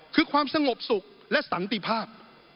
คือความสงบสุขและสันติภาพ